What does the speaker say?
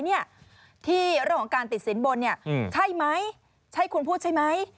ที่เรื่องของการติดสินบนเนี่ยใช่ไหมใช่คุณพูดใช่ไหม